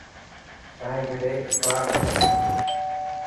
تائن گهري پارڪ هي.